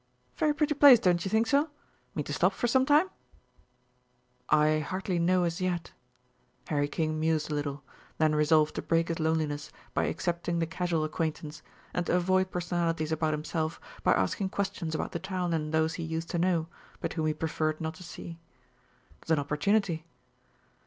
"Very pretty place, don't you think so? Mean to stop for some time?" "I hardly know as yet." Harry King mused a little, then resolved to break his loneliness by accepting the casual acquaintance, and to avoid personalities about himself by asking questions about the town and those he used to know, but whom he preferred not to see. It was an opportunity.